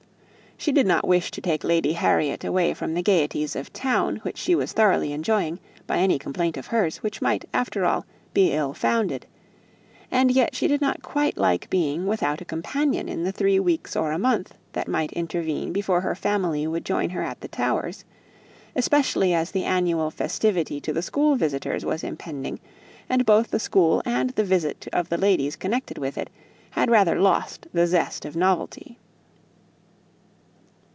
She did not wish to take Lady Harriet away from the gaieties of town which she was thoroughly enjoying, by any complaint of hers, which might, after all, be ill founded; and yet she did not quite like being without a companion in the three weeks or a month that might intervene before her family would join her at the Towers, especially as the annual festivity to the school visitors was impending; and both the school and the visit of the ladies connected with it, had rather lost the zest of novelty.